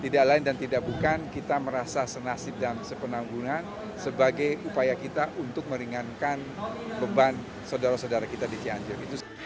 dan tidak bukan kita merasa senasib dan sepenanggungan sebagai upaya kita untuk meringankan beban saudara saudara kita di cianjur